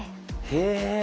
へえ。